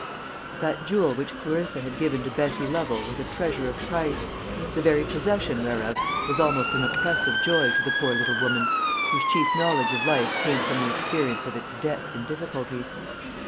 That jewel which Clarissa had given to Bessie Lovel was a treasure of price, the very possession whereof was almost an oppressive joy to the poor little woman, whose chief knowledge of life came from the experience of its debts and difficulties.